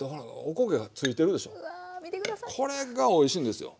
これがおいしいんですよ。